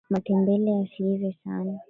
matembele yasiive sana